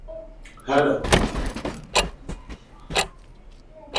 Hene